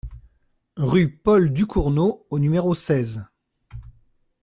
Rue Paul Ducournau au numéro seize